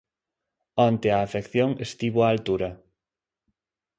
Onte a afección estivo a altura.